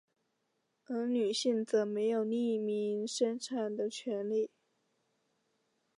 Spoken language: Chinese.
而女性则没有匿名生产的权力。